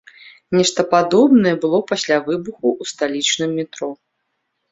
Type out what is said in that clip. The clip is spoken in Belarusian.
Нешта падобнае было пасля выбуху ў сталічным метро.